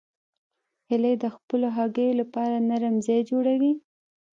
هیلۍ د خپلو هګیو لپاره نرم ځای جوړوي